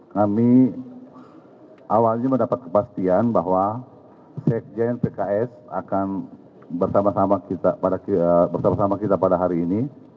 kami awalnya mendapat kepastian bahwa sekjen pks akan bersama sama kita pada hari ini